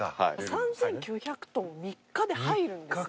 ３９００トン３日で入るんですね。